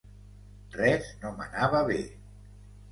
Res no m'anava bé.